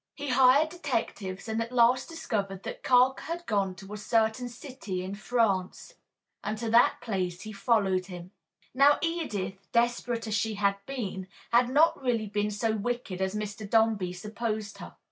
He hired detectives and at last discovered that Carker had gone to a certain city in France. And to that place he followed him. Now Edith, desperate as she had been, had not really been so wicked as Mr. Dombey supposed her.